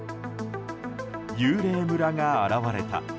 幽霊村が現れた。